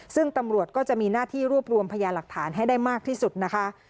ซึ่งตำรวจก็จะมีหน้าที่รวบรวมพยาหลักฐานให้ได้มากที่สุดนะคะ